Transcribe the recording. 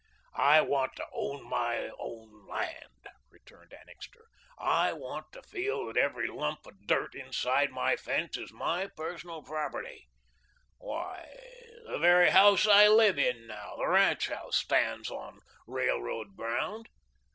"I want to own my own land," returned Annixter. "I want to feel that every lump of dirt inside my fence is my personal property. Why, the very house I live in now the ranch house stands on railroad ground."